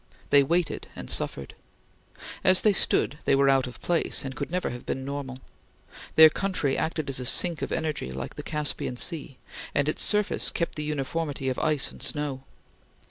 They waited and suffered. As they stood they were out of place, and could never have been normal. Their country acted as a sink of energy like the Caspian Sea, and its surface kept the uniformity of ice and snow.